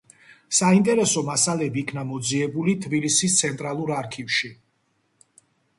საინტერესო მასალები იქნა მოძიებული თბილისის ცენტრალურ არქივში.